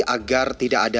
agar tidak ada lupa